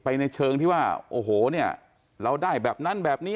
ในเชิงที่ว่าโอ้โหเนี่ยเราได้แบบนั้นแบบนี้